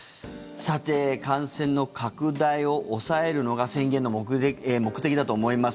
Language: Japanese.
感染の拡大を抑えるのが宣言の目的だと思います。